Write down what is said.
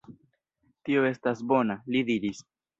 Tio estas bona, li diris.